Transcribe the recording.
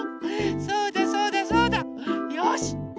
そうだそうだそうだ。よし！